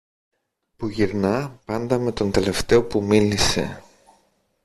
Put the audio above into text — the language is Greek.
που γυρνά πάντα με τον τελευταίο που μίλησε